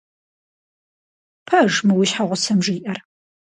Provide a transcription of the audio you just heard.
Пэж мы, уи щхьэгъусэм жиӀэр?